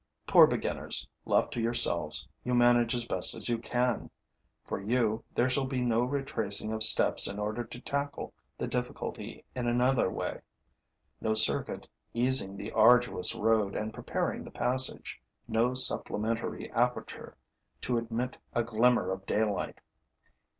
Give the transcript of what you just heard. Poor beginners, left to yourselves, you manage as best you can! For you, there shall be no retracing of steps in order to tackle the difficulty in another way; no circuit easing the arduous road and preparing the passage; no supplementary aperture to admit a glimmer of daylight.